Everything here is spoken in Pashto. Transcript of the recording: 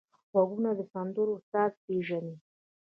غوږونه د سندرو ساز پېژني